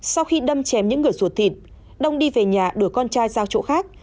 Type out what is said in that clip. sau khi đâm chém những người ruột thịt đông đi về nhà đuổi con trai ra chỗ khác